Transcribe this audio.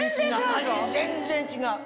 味全然違う。